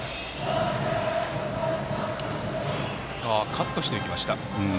カットしていきました。